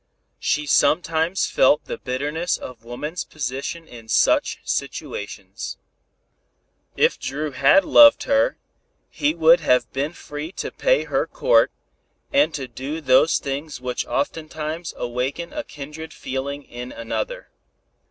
She sometimes felt the bitterness of woman's position in such situations. If Dru had loved her, he would have been free to pay her court, and to do those things which oftentimes awaken a kindred feeling in another.